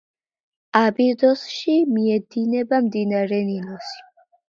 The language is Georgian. აბიდოსში მიედინება მდინარე ნილოსი.